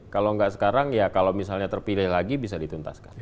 kalau nggak sekarang ya kalau misalnya terpilih lagi bisa dituntaskan